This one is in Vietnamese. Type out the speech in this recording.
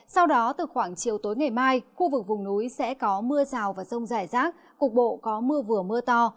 sau đó từ khoảng chiều tối ngày mai khu vực vùng núi sẽ có mưa rào và rông rải rác cục bộ có mưa vừa mưa to